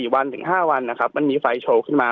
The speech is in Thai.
วันถึง๕วันนะครับมันมีไฟโชว์ขึ้นมา